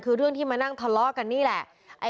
คือเรื่องที่มานั่งทะเลาะกันนี่แหละ